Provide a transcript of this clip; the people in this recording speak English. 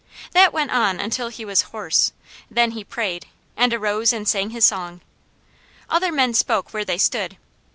That went on until he was hoarse, then he prayed, and arose and sang his song. Other men spoke where they stood.